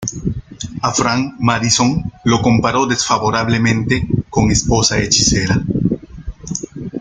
Avram Madison lo comparó desfavorablemente con "Esposa hechicera".